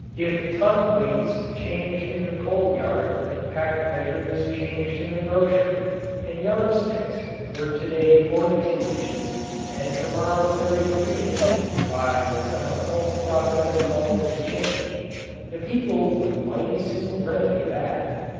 If ton weights changed in the coal yard, and peck measures changed in the grocery, and yard sticks were to day 42 inches and to morrow 33 inches (by some occult process called "exchange") the people would mighty soon remedy that.